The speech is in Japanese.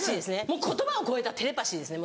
言葉を超えたテレパシーですね